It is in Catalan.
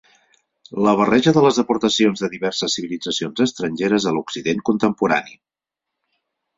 La barreja de les aportacions de diverses civilitzacions estrangeres a l'Occident contemporani.